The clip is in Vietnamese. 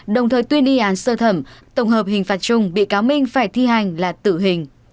đồng thời tuyên y án sơ thẩm tổng hợp hình phạt chung bị cáo minh phải thi hành là tử hình